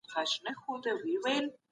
یونلیکونه د څېړنې لپاره مهم دي.